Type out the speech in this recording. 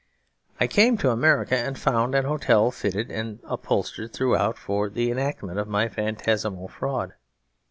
I came to America and found an hotel fitted and upholstered throughout for the enactment of my phantasmal fraud.